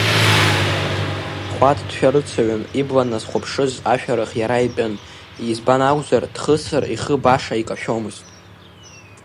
Хәаҭ дшәарыцаҩын, ибла назхәаԥшыз, ашәарах иара итәын, избан акәзар, дхысыр, ихы баша икашәомызт.